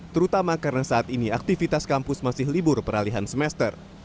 terutama karena saat ini aktivitas kampus masih libur peralihan semester